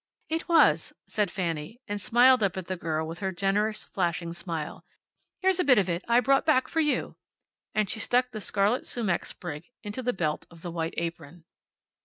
"It was," said Fanny, and smiled up at the girl with her generous, flashing smile. "Here's a bit of it I brought back for you." And she stuck the scarlet sumac sprig into the belt of the white apron.